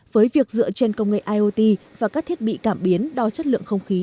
với việc dựa trên công nghệ iot và các thiết bị cảm biến đo chất lượng không khí